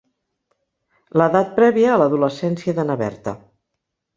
L'edat prèvia a l'adolescència de na Berta.